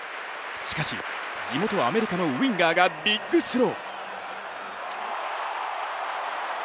しかし、地元アメリカのウィンガーがビッグスロー。